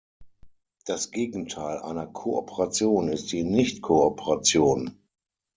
Das Gegenteil einer Kooperation ist die Nicht-Kooperation.